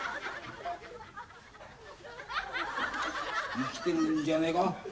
・生きてるんじゃねえか？